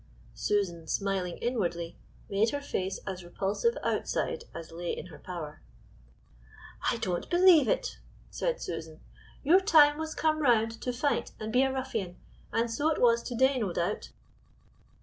Susan, smiling inwardly, made her face as repulsive outside as lay in her power. "I don't believe it," said Susan; "your time was come round to fight and be a ruffian, and so it was to day, no doubt."